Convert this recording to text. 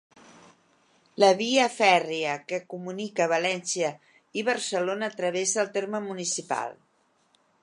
La via fèrria que comunica València i Barcelona travessa el terme municipal.